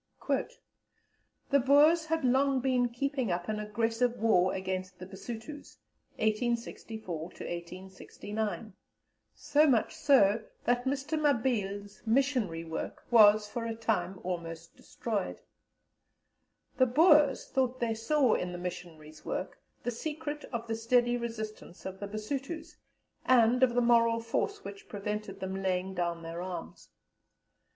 "The Boers had long been keeping up an aggressive war against the Basutos (1864 to 1869), so much so that Mr. Mabille's missionary work was for a time almost destroyed. The Boers thought they saw in the missionaries' work the secret of the steady resistance of the Basutos, and of the moral force which prevented them laying down their arms.